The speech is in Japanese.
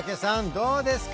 どうですか？